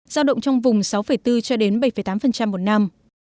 giao động trong vùng sáu bốn cho đến bảy tám một năm